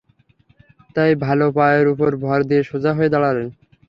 তাই ভাল পায়ের উপর ভর দিয়ে সোজা হয়ে দাঁড়ালেন।